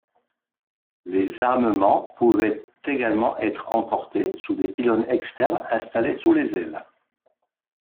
Les armements pouvaient également être emportés sous des pylônes externes installés sous les ailes.